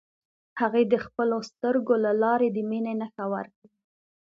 هغې د خپلو سترګو له لارې د مینې نښه ورکړه.